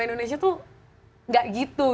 indonesia tuh gak gitu